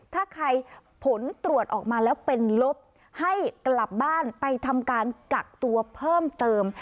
ถ้าใครผลตรวจออกมาแล้วเป็นลบให้กลับบ้านไปทำการกักตัวเพิ่มเติม